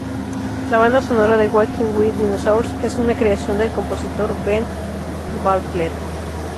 La banda sonora de "Walking with Dinosaurs" es una creación del compositor Ben Bartlett.